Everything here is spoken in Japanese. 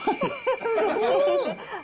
うれしい。